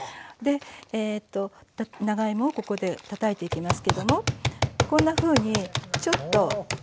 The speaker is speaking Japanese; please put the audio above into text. えと長芋をここでたたいていきますけどもこんなふうにちょっと。